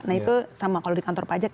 nah itu sama kalau di kantor pajak